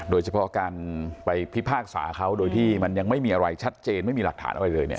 โดยเฉพาะการไปพิพากษาเขาโดยที่มันยังไม่มีอะไรชัดเจนไม่มีหลักฐานอะไรเลยเนี่ย